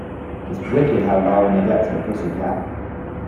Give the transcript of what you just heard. It's wicked how Lara neglects her pussy cat.